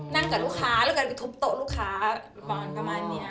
กับลูกค้าแล้วกันไปทุบโต๊ะลูกค้าประมาณนี้